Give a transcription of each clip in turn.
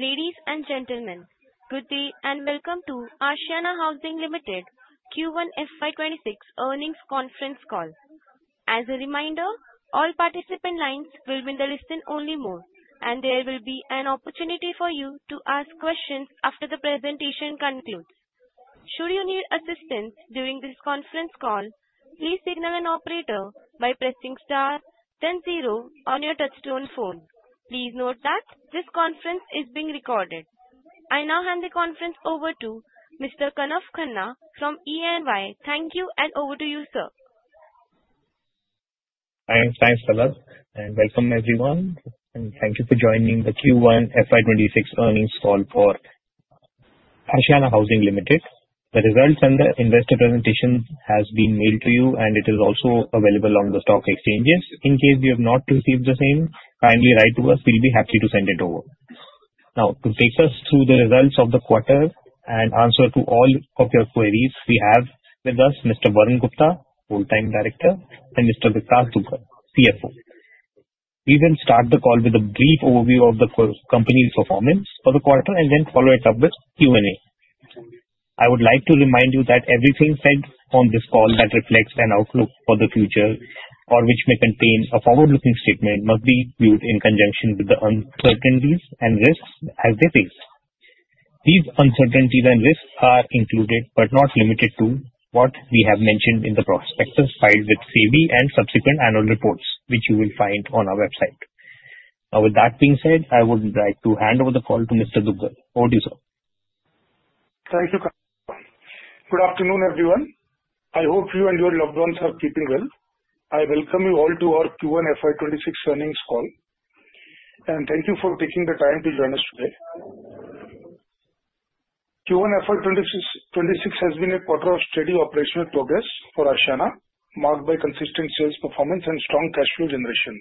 Ladies and gentlemen, good day and welcome to Ashiana Housing Ltd Q1 FY26 Earnings Conference Call. As a reminder, all participant lines will be in the listen-only mode, and there will be an opportunity for you to ask questions after the presentation concludes. Should you need assistance during this conference call, please signal an operator by pressing Star 100 on your touch-tone phone. Please note that this conference is being recorded. I now hand the conference over to Mr. Kanav Khanna from EY. Thank you, and over to you, sir. Hi, thanks, Salas. And welcome, everyone. And thank you for joining the Q1 FY26 Earnings Call for Ashiana Housing Ltd. The results and the investor presentation have been mailed to you, and it is also available on the stock exchanges. In case you have not received the same, kindly write to us. We'll be happy to send it over. Now, to take us through the results of the quarter and answer to all of your queries, we have with us Mr. Varun Gupta, Whole-Time Director, and Mr. Vikash Dugar, CFO. We will start the call with a brief overview of the company's performance for the quarter and then follow it up with Q&A. I would like to remind you that everything said on this call that reflects an outlook for the future or which may contain a forward-looking statement must be viewed in conjunction with the uncertainties and risks as they face. These uncertainties and risks are included but not limited to what we have mentioned in the prospectus filed with SEBI and subsequent annual reports, which you will find on our website. Now, with that being said, I would like to hand over the call to Mr. Dugar. Over to you, sir. Thank you, Kanav. Good afternoon, everyone. I hope you and your loved ones are keeping well. I welcome you all to our Q1 FY26 Earnings Call and thank you for taking the time to join us today. Q1 FY26 has been a quarter of steady operational progress for Ashiana, marked by consistent sales performance and strong cash flow generation.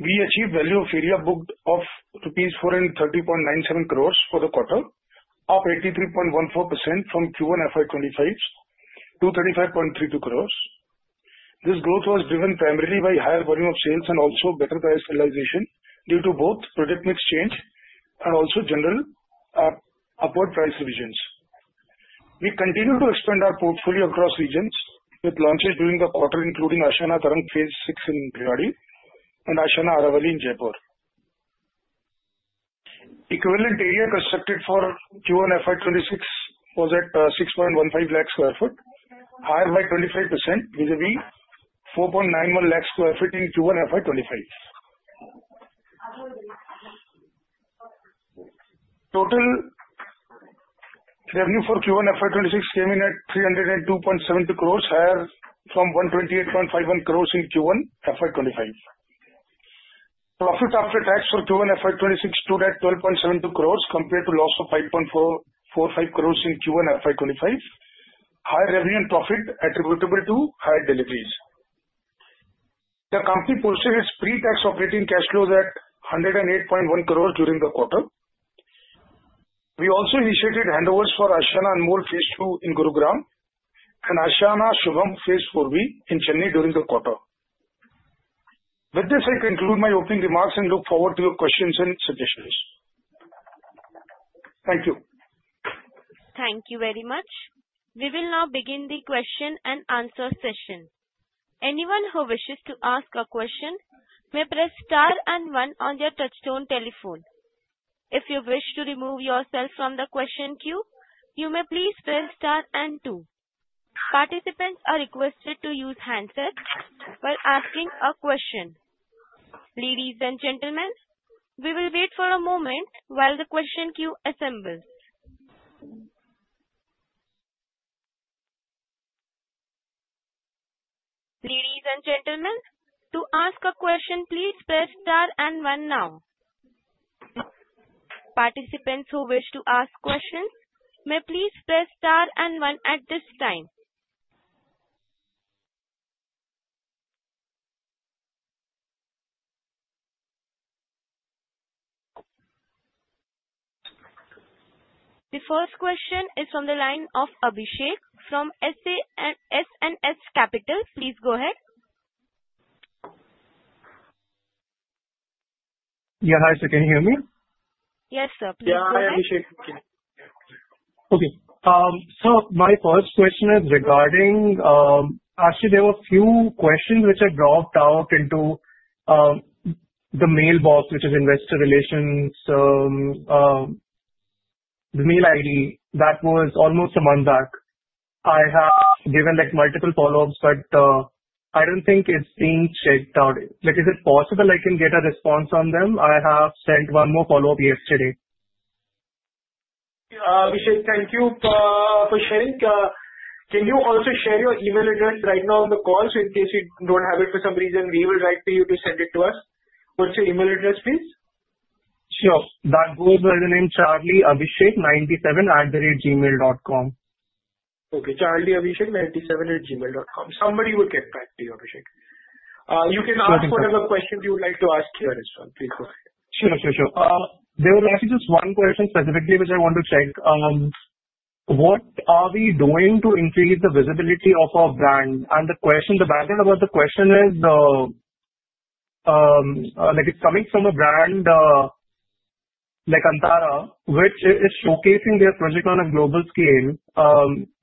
We achieved value of area booked of rupees 430.97 crores for the quarter, up 83.14% from Q1 FY25's 235.32 crores. This growth was driven primarily by higher volume of sales and also better price realization due to both project mix change and also general upward price revisions. We continue to expand our portfolio across regions with launches during the quarter, including Ashiana Tarang phase VI in Bhiwadi and Ashiana Aravali in Jaipur. Equivalent area constructed for Q1 FY26 was at 6.15 lakh sq ft, higher by 25%, vis-à-vis 4.91 lakh sq ft in Q1 FY25. Total revenue for Q1 FY26 came in at 302.72 crores, higher from 128.51 crores in Q1 FY25. Profit after tax for Q1 FY26 stood at 12.72 crores compared to loss of 5.45 crores in Q1 FY25, high revenue and profit attributable to higher deliveries. The company posted its pre-tax operating cash flows at 108.1 crores during the quarter. We also initiated handovers for Ashiana Anmol phase II in Gurugram and Ashiana Shubham phase IV B in Chennai during the quarter. With this, I conclude my opening remarks and look forward to your questions and suggestions. Thank you. Thank you very much. We will now begin the question and answer session. Anyone who wishes to ask a question may press Star 1 on their touch-tone telephone. If you wish to remove yourself from the question queue, you may please press Star 2. Participants are requested to use handsets while asking a question. Ladies and gentlemen, we will wait for a moment while the question queue assembles. Ladies and gentlemen, to ask a question, please press Star 1 now. Participants who wish to ask questions may please press Star 1 at this time. The first question is from the line of Abhishek from S&S Capital. Please go ahead. Yeah, hi, sir. Can you hear me? Yes, sir. Please go ahead. Yeah, hi, Abhishek. Okay. So my first question is regarding actually, there were a few questions which I dropped out into the mailbox, which is investor relations, the mail ID, that was almost a month back. I have given multiple follow-ups, but I don't think it's being checked out. Is it possible I can get a response on them? I have sent one more follow-up yesterday. Abhishek, thank you for sharing. Can you also share your email address right now on the call so in case you don't have it for some reason, we will write to you to send it to us? What's your email address, please? Sure. That goes by the name charlie.abhishek97@gmail.com. Okay. charlie.abhishek97@gmail.com. Somebody will get back to you, Abhishek. You can ask whatever questions you would like to ask here. Sure. There was actually just one question specifically which I want to check. What are we doing to increase the visibility of our brand? And the background of the question is, it's coming from a brand like Antara, which is showcasing their project on a global scale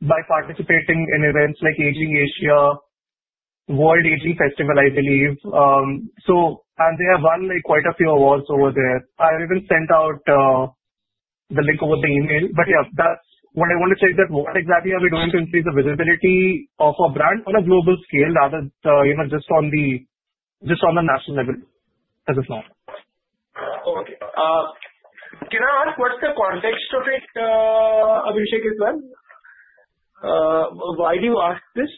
by participating in events like Ageing Asia, World Ageing Festival, I believe, and they have won quite a few awards over there. I even sent out the link over the email, but yeah, that's what I want to check, that what exactly are we doing to increase the visibility of our brand on a global scale rather than just on the national level as of now. Okay. Can I ask what's the context of it, Abhishek, as well? Why do you ask this?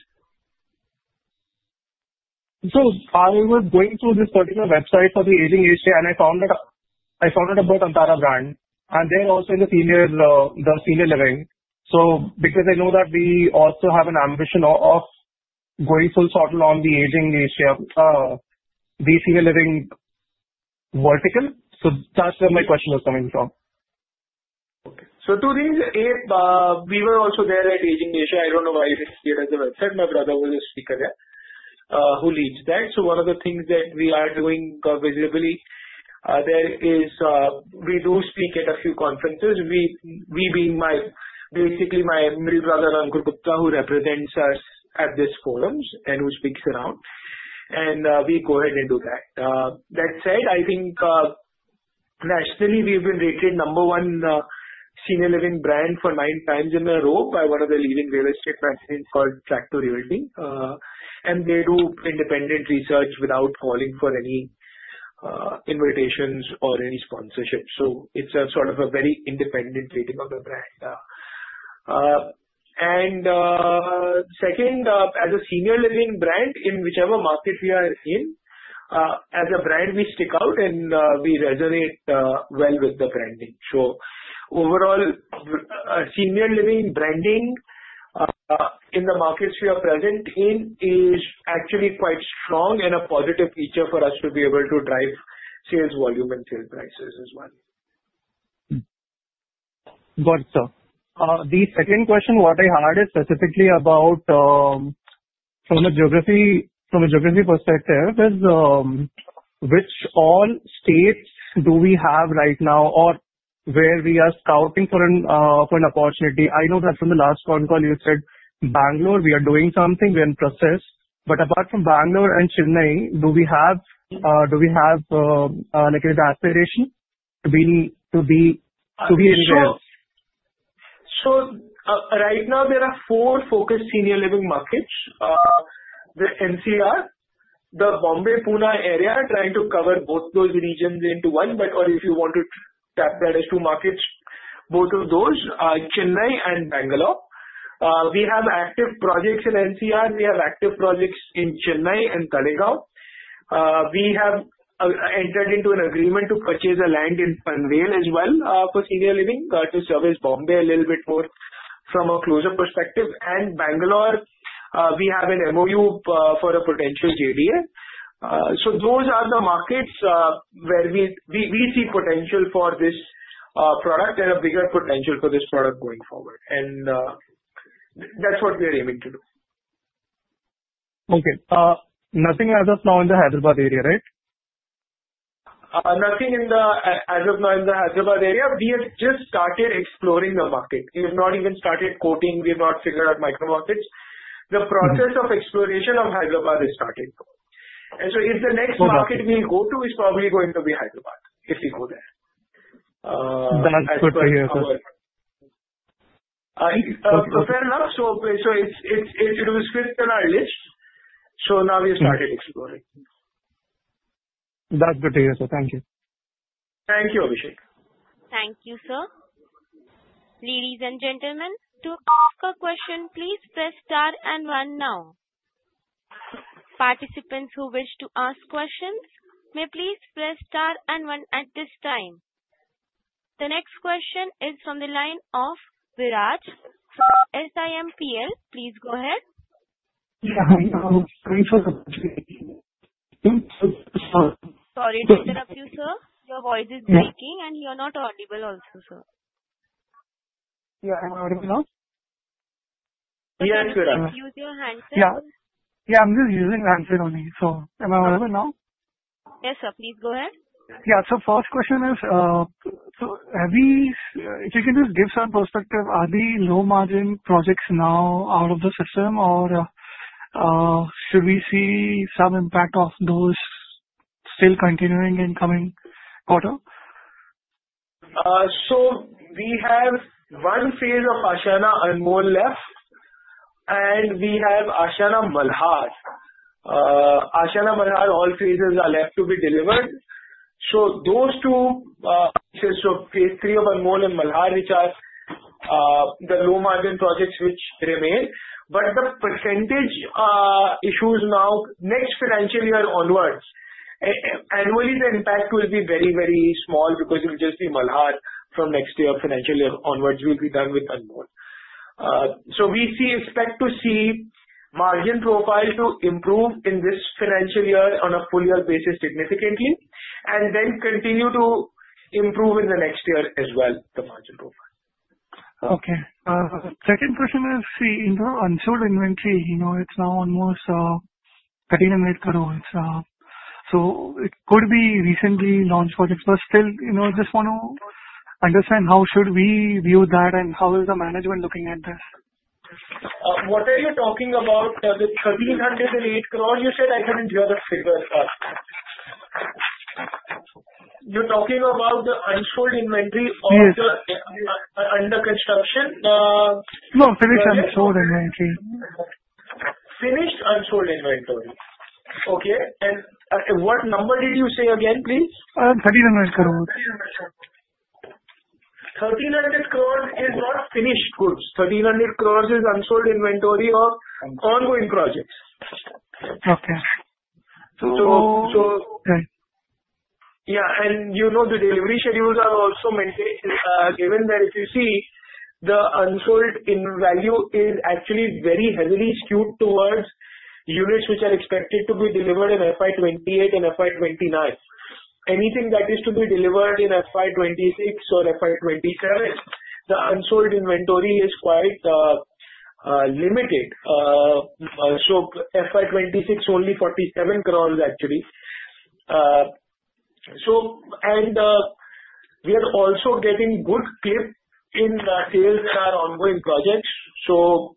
So I was going through this particular website for the Ageing Asia, and I found out about the Antara brand. And they're also in the senior living. So because I know that we also have an ambition of going full force on the Ageing Asia, the senior living vertical. So that's where my question is coming from. Okay, so today, we were also there at Ageing Asia. I don't know why it's here as a website. My brother was a speaker there who leads that. So one of the things that we are doing visibly there is we do speak at a few conferences, we being basically my middle brother, Ankur Gupta, who represents us at these forums and who speaks around, and we go ahead and do that. That said, I think nationally, we've been rated number one senior living brand for nine times in a row by one of the leading real estate companies called Track2Realty. And they do independent research without calling for any invitations or any sponsorship, so it's sort of a very independent rating of a brand. And second, as a senior living brand in whichever market we are in, as a brand, we stick out and we resonate well with the branding. So overall, senior living branding in the markets we are present in is actually quite strong and a positive feature for us to be able to drive sales volume and sales prices as well. Got it, sir. The second question what I had is specifically about from a geography perspective is which all states do we have right now or where we are scouting for an opportunity? I know that from the last phone call, you said Bangalore, we are doing something, we are in process. But apart from Bangalore and Chennai, do we have an aspiration to be anywhere else? Sure. So right now, there are four focused senior living markets: the NCR, the Bombay-Pune area, trying to cover both those regions into one, but if you want to tap that as two markets, both of those, Chennai and Bangalore. We have active projects in NCR. We have active projects in Chennai and Talegaon. We have entered into an agreement to purchase a land in Panvel as well for senior living to service Bombay a little bit more from a closer perspective, and Bangalore, we have an MOU for a potential JDA. So those are the markets where we see potential for this product and a bigger potential for this product going forward, and that's what we are aiming to do. Okay. Nothing as of now in the Hyderabad area, right? Nothing as of now in the Hyderabad area. We have just started exploring the market. We have not even started quoting. We have not figured out micro-markets. The process of exploration of Hyderabad is starting. And so if the next market we go to is probably going to be Hyderabad, if we go there. That's good to hear, sir. So it was fixed in our list. So now we have started exploring. That's good to hear, sir. Thank you. Thank you, Abhishek. Thank you, sir. Ladies and gentlemen, to ask a question, please press Star 1 now. Participants who wish to ask questions, may please press Star 1 at this time. The next question is from the line of Viraj from SiMPL. Please go ahead. Yeah. I'm sorry for the... Sorry to interrupt you, sir. Your voice is breaking, and you're not audible also, sir. Yeah. Am I audible now? Yeah. It's good. Can you please use your handset? Yeah. Yeah. I'm just using the handset only. So am I audible now? Yes, sir. Please go ahead. Yeah. So first question is, if you can just give some perspective, are the low-margin projects now out of the system, or should we see some impact of those still continuing in the coming quarter? So we have one phase of Ashiana Anmol left, and we have Ashiana Malhar. Ashiana Malhar, all phases are left to be delivered. So those two phases of phase III of Anmol and Malhar, which are the low-margin projects which remain. But the percentage issues now, next financial year onwards, annually, the impact will be very, very small because it will just be Malhar from next year financial year onwards will be done with Anmol. So we expect to see margin profile to improve in this financial year on a full-year basis significantly and then continue to improve in the next year as well, the margin profile. Okay. Second question is, see, in the unsold inventory, it's now almost INR 13.5 crores. So it could be recently launched projects, but still, I just want to understand how should we view that, and how is the management looking at this? What are you talking about? The 1,308 crores, you said? I couldn't hear the figure as well. You're talking about the unsold inventory or the under construction? No, finished unsold inventory. Finished unsold inventory. Okay. And what number did you say again, please? 1,308 crores. 1,308 crores is not finished goods. Rs 1,308 crores is unsold inventory of ongoing projects. Okay. Yeah. And you know the delivery schedules are also given that if you see, the unsold value is actually very heavily skewed towards units which are expected to be delivered in FY28 and FY29. Anything that is to be delivered in FY26 or FY27, the unsold inventory is quite limited. So FY26, only Rs 47 crores, actually. And we are also getting good clip in sales that are ongoing projects. So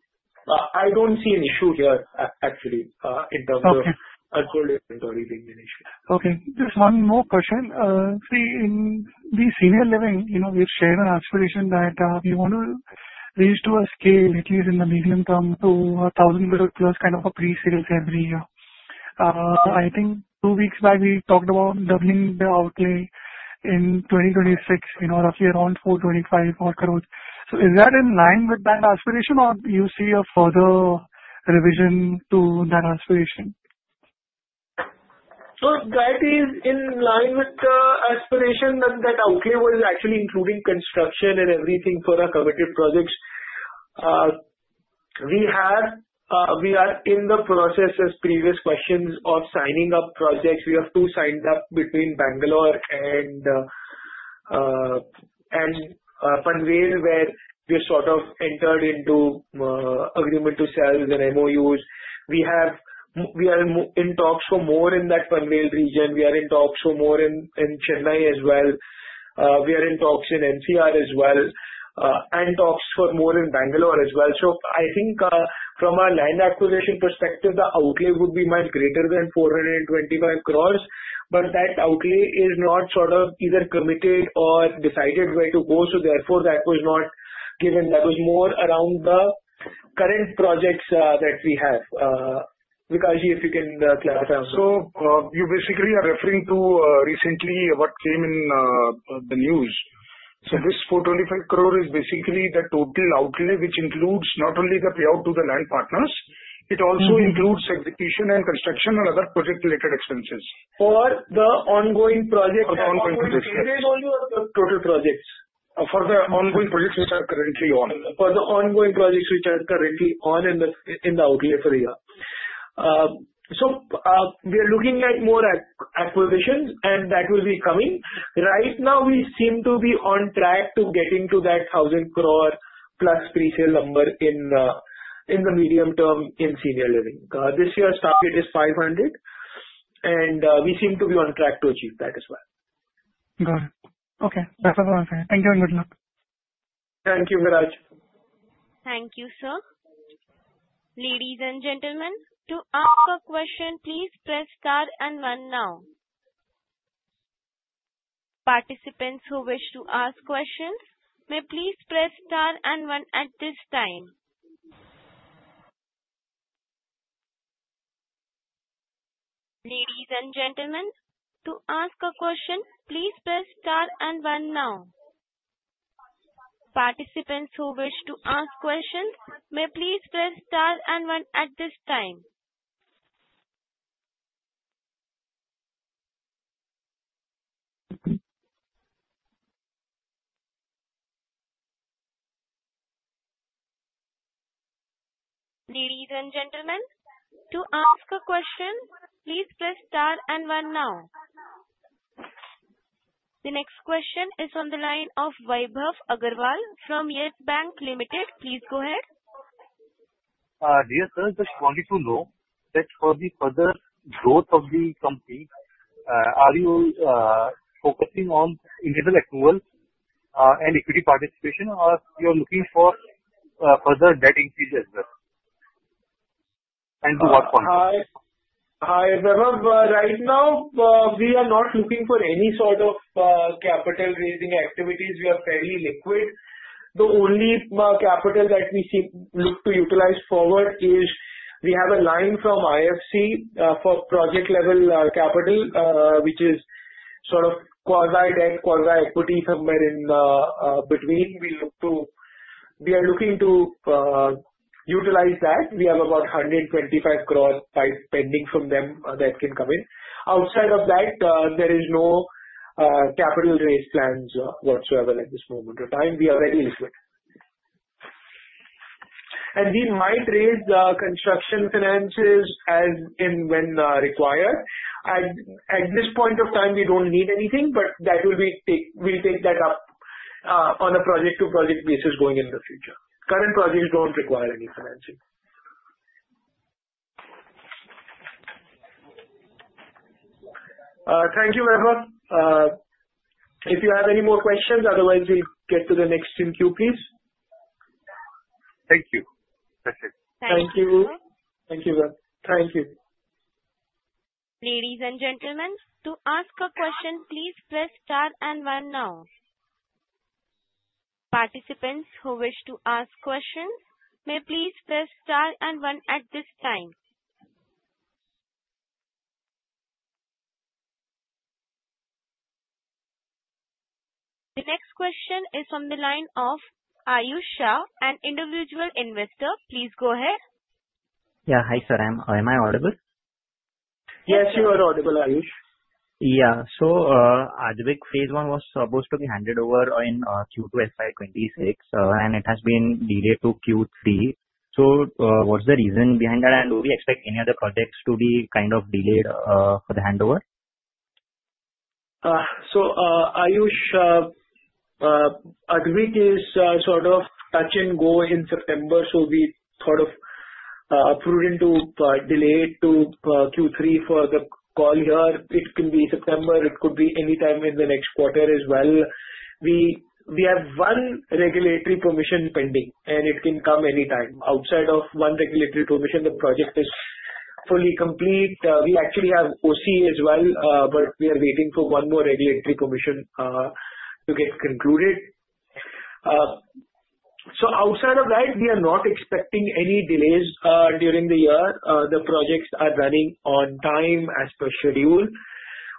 I don't see an issue here, actually, in terms of unsold inventory being an issue. Okay. Just one more question. See, in the senior living, we've shared an aspiration that we want to reach to a scale, at least in the medium term, to 1,000 crores plus kind of a pre-sales every year. I think two weeks back, we talked about doubling the outlay in 2026, roughly around 425 more crores. So is that in line with that aspiration, or do you see a further revision to that aspiration? So that is in line with the aspiration that outlay was actually including construction and everything for our committed projects. We are in the process, as previous questions, of signing up projects. We have two signed up between Bangalore and Panvel, where we've sort of entered into agreement to sell within MOUs. We are in talks for more in that Panvel region. We are in talks for more in Chennai as well. We are in talks in NCR as well and talks for more in Bangalore as well. So I think from our land acquisition perspective, the outlay would be much greater than 425 crores. But that outlay is not sort of either committed or decided where to go. So therefore, that was not given. That was more around the current projects that we have. Vikash, if you can clarify on that. So you basically are referring to recently what came in the news. So this 425 crores is basically the total outlay, which includes not only the payout to the land partners. It also includes execution and construction and other project-related expenses. For the ongoing projects. For the ongoing projects. We did only the total projects. For the ongoing projects which are currently on. For the ongoing projects which are currently on in the outlay for a year. So we are looking more at acquisitions, and that will be coming. Right now, we seem to be on track to getting to that 1,000 crore plus pre-sale number in the medium term in senior living. This year's target is 500, and we seem to be on track to achieve that as well. Got it. Okay. That's what I want to say. Thank you and good luck. Thank you, Viraj. Thank you, sir. Ladies and gentlemen, to ask a question, please press Star 1 now. Participants who wish to ask questions, may please press Star 1 at this time. Ladies and gentlemen, to ask a question, please press Star 1 now. Participants who wish to ask questions, may please press Star 1 at this time. Ladies and gentlemen, to ask a question, please press Star 1 now. The next question is on the line of Vaibhav Agarwal from YES Bank Limited. Please go ahead. Dear Sir, just wanted to know that for the further growth of the company, are you focusing on initial approval and equity participation, or you're looking for further debt increase as well? And to what point? Vaibhav, right now, we are not looking for any sort of capital-raising activities. We are fairly liquid. The only capital that we look to utilize forward is we have a line from IFC for project-level capital, which is sort of quasi-debt, quasi-equity somewhere in between. We are looking to utilize that. We have about 125 crores pending from them that can come in. Outside of that, there is no capital-raise plans whatsoever at this moment in time. We are very liquid, and we might raise the construction finances when required. At this point of time, we don't need anything, but that will be taken up on a project-to-project basis going into the future. Current projects don't require any financing. Thank you, Vaibhav. If you have any more questions, otherwise, we'll get to the next in queue, please. Thank you. That's it. Thank you. Thank you. Thank you, sir. Thank you. Ladies and gentlemen, to ask a question, please press Star 1 now. Participants who wish to ask questions, may please press Star 1 at this time. The next question is from the line of Ayush Shah, an individual investor. Please go ahead. Yeah. Hi, sir. Am I audible? Yes, you are audible, Ayush. Yeah. So Ashiana Advik, phase I was supposed to be handed over in Q2 FY26, and it has been delayed to Q3. So what's the reason behind that, and do we expect any other projects to be kind of delayed for the handover? Ayush, Advik is sort of touch-and-go in September, so we sort of approved to delay it to Q3 for the call here. It can be September. It could be anytime in the next quarter as well. We have one regulatory permission pending, and it can come anytime. Outside of one regulatory permission, the project is fully complete. We actually have OC as well, but we are waiting for one more regulatory permission to get concluded. So outside of that, we are not expecting any delays during the year. The projects are running on time as per schedule.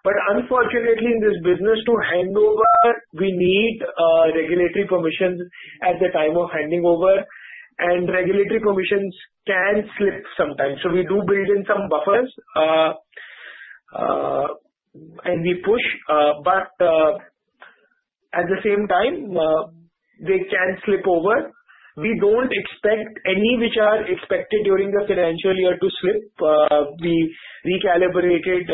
But unfortunately, in this business, to hand over, we need regulatory permissions at the time of handing over, and regulatory permissions can slip sometimes. So we do build in some buffers, and we push. But at the same time, they can slip over. We don't expect any which are expected during the financial year to slip. We recalibrated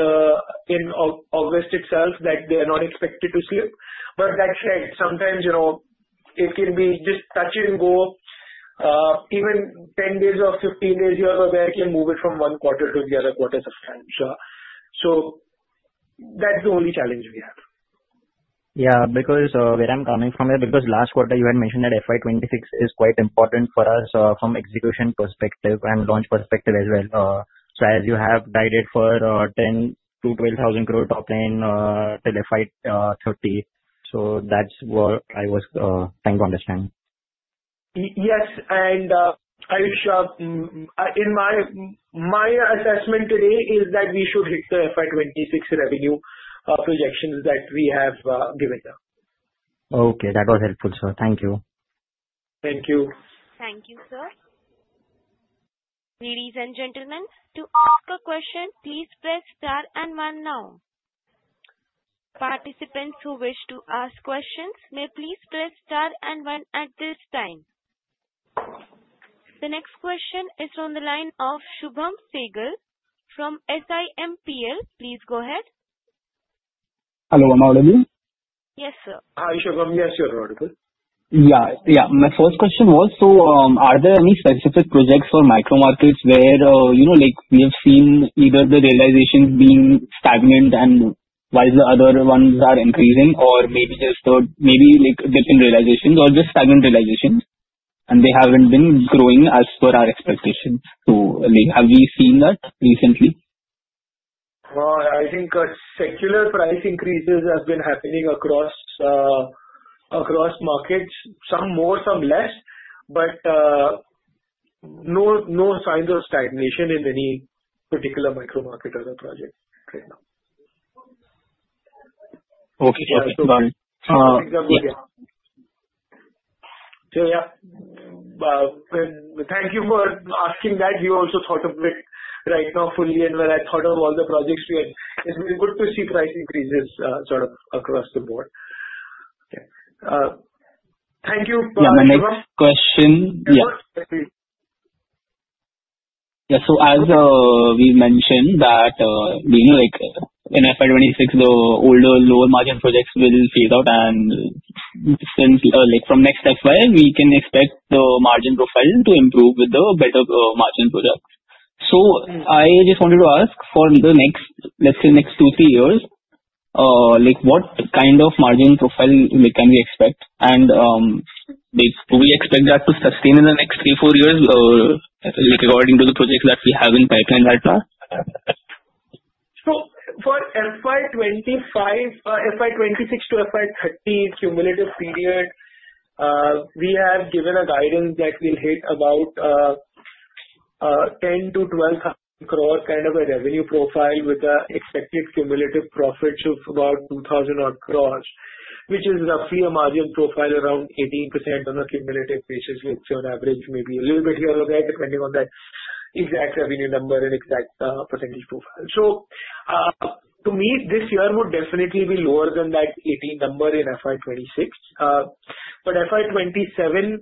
in August itself that they are not expected to slip. But that said, sometimes it can be just touch-and-go. Even 10 days or 15 days here, we can move it from one quarter to the other quarter sometimes. So that's the only challenge we have. Yeah. Because where I'm coming from here, because last quarter, you had mentioned that FY26 is quite important for us from execution perspective and launch perspective as well. So as you have guided for 10-12 thousand crore top line till FY30. So that's what I was trying to understand. Yes, and Ayush, my assessment today is that we should hit the FY26 revenue projections that we have given you. Okay. That was helpful, sir. Thank you. Thank you. Thank you, sir. Ladies and gentlemen, to ask a question, please press Star 1 now. Participants who wish to ask questions, may please press Star 1 at this time. The next question is from the line of Shubham Sehgal from SiMPL. Please go ahead. Hello. Am I audible? Yes, sir. Hi, Shubham. Yes, you're audible. Yeah. Yeah. My first question was, so are there any specific projects or micro markets where we have seen either the realizations being stagnant and while the other ones are increasing, or maybe just different realizations or just stagnant realizations, and they haven't been growing as per our expectations? So have we seen that recently? I think secular price increases have been happening across markets, some more, some less, but no signs of stagnation in any particular micro market or project right now. Okay. That's good. Thank you for asking that. We also thought of it right now fully. When I thought of all the projects, it's been good to see price increases sort of across the board. Thank you. My next question, So as we mentioned that in FY26, the older lower margin projects will phase out, and from next FY, we can expect the margin profile to improve with the better margin projects, so I just wanted to ask for the next, let's say, next two, three years, what kind of margin profile can we expect, and do we expect that to sustain in the next three, four years according to the projects that we have in pipeline right now? So for FY26 to FY30 cumulative period, we have given a guidance that we'll hit about 10-12 thousand crore kind of a revenue profile with an expected cumulative profit of about 2,000 crores, which is roughly a margin profile around 18% on a cumulative basis, which on average may be a little bit higher or lower depending on that exact revenue number and exact percentage profile. So to me, this year would definitely be lower than that 18 number in FY26. But FY27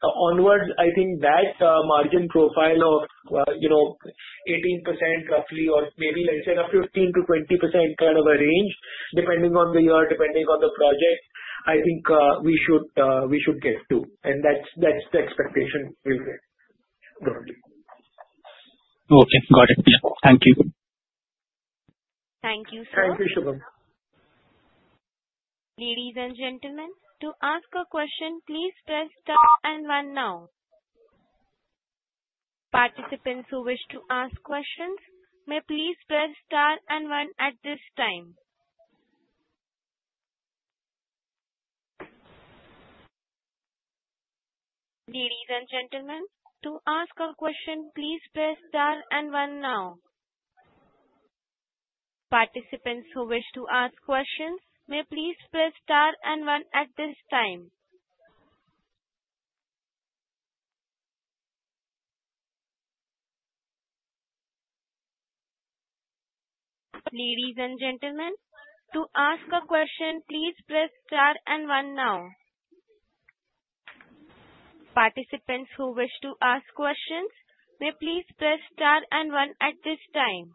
onwards, I think that margin profile of 18% roughly or maybe, let's say, roughly 15%-20% kind of a range depending on the year, depending on the project, I think we should get to. And that's the expectation we'll get. Okay. Got it. Yeah. Thank you. Thank you, sir. Thank you, Shubham. Ladies and gentlemen, to ask a question, please press Star 1 now. Participants who wish to ask questions, may please press Star 1 at this time. Ladies and gentlemen, to ask a question, please press Star 1 now. Participants who wish to ask questions, may please press Star 1 at this time. Ladies and gentlemen, to ask a question, please press Star 1 now. Participants who wish to ask questions, may please press Star 1 at this time.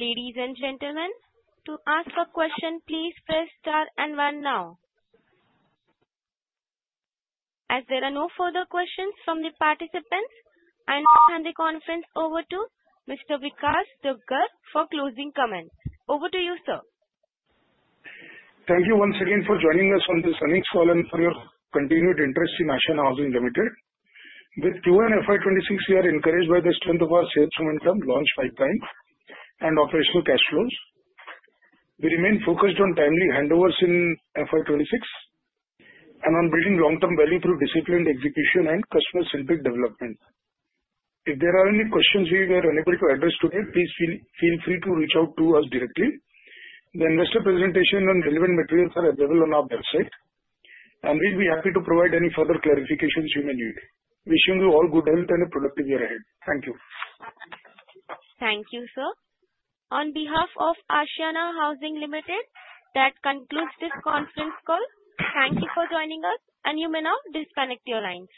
Ladies and gentlemen, to ask a question, please press Star 1 now. As there are no further questions from the participants, I now hand the conference over to Mr. Vikash Dugar for closing comments. Over to you, sir. Thank you once again for joining us on this earnings call and for your continued interest in Ashiana Housing Limited. With Q1 and FY26, we are encouraged by the strength of our sales momentum, launch pipeline, and operational cash flows. We remain focused on timely handovers in FY26 and on building long-term value through disciplined execution and customer-centric development. If there are any questions we were unable to address today, please feel free to reach out to us directly. The investor presentation and relevant materials are available on our website, and we'll be happy to provide any further clarifications you may need. Wishing you all good health and a productive year ahead. Thank you. Thank you, sir. On behalf of Ashiana Housing Limited, that concludes this conference call. Thank you for joining us, and you may now disconnect your lines.